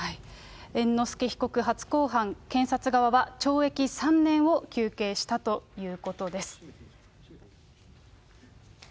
猿之助被告初公判、検察側は懲役３年を求刑したということです。